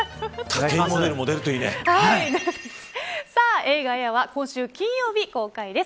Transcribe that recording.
さあ、映画ＡＩＲ／エアは今週金曜日、公開です。